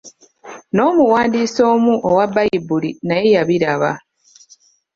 N'omuwandiisi omu owa Bbayibuli naye yabiraba